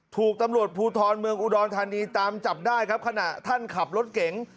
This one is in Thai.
ถูกตำรวจภูทรเมืองอุดรธานีตามจับได้ครับขณะท่านขับรถเก๋ง